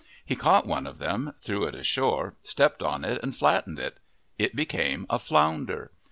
He caught one of them, threw it ashore, stepped on it, and flat tened it. It became a flounder.